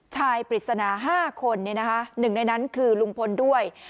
ปริศนา๕คนหนึ่งในนั้นคือลุงพลด้วย